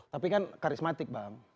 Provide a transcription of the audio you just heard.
tapi kan karismatik bang